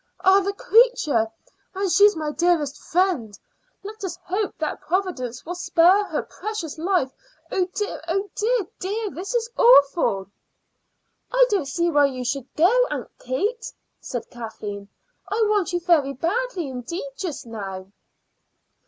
Ah, the creature! And she's my dearest friend. Let us hope that Providence will spare her precious life. Oh dear, dear, dear! This is awful!" "I don't see why you should go, Aunt Katie," said Kathleen. "I want you very badly indeed just now."